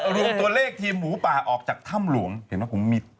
รูมตัวเลขทีมหมูป่าออกจากถ้ำหลวงเห็นไหมผมมิดสุดยอดสุดยอด